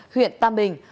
huyện tam bình